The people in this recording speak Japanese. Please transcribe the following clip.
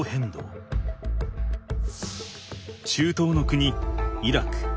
中東の国イラク。